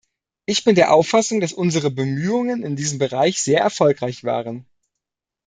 Ich bin der Auffassung, dass unsere Bemühungen in diesem Bereich sehr erfolgreich waren.